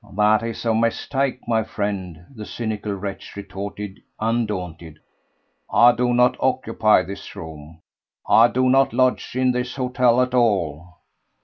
"That is a mistake, my friend," the cynical wretch retorted, undaunted. "I do not occupy this room. I do not lodge in this hotel at all."